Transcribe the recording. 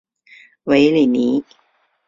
韦里尼。